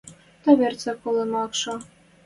Тӓ верцдӓ колымы ак шо.